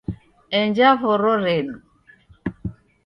Enja voro redu